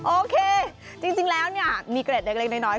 โอเคจริงแล้วเนี่ยมีเกรดเล็กน้อย